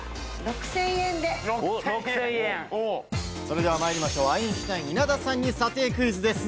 それではアインシュタイン・稲田さんに査定クイズです。